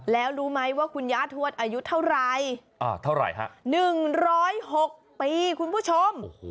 แล้วรู้ไหมว่าคุณย่าทวดอายุเท่าไรเท่าไหร่ฮะ๑๐๖ปีคุณผู้ชม